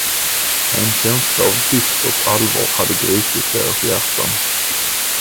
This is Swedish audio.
En känsla av dystert allvar hade gripit deras hjärtan.